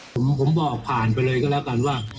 ผมบอกผ่านไปเลยก็แล้วกันว่า